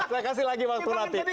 saya kasih lagi waktu nanti